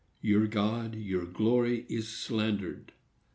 Your God, your glory, is slandered.